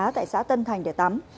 tại xã tân thành để tắm